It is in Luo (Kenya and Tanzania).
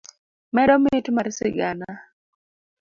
medo mit mar sigana.